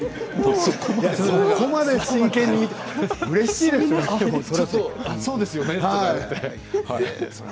そこまで真剣にうれしいですね、それは。